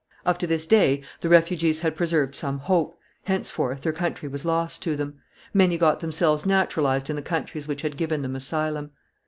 Up to this day the refugees had preserved some hope, henceforth their country was lost to them; many got themselves naturalized in the countries which had given them asylum.